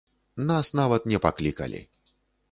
Нас нават не паклікалі.